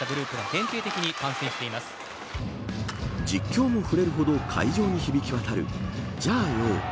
実況も触れるほど会場に響き渡る加油。